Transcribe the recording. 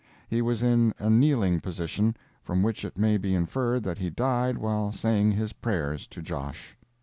He was in a kneeling position, from which it may be inferred that he died while saying his prayers to Josh.